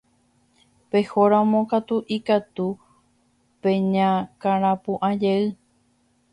Pehóramo katu, ikatu peñakãrapu'ãjey.